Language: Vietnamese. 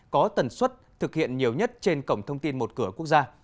có tần suất thực hiện nhiều nhất trên cổng thông tin một cửa quốc gia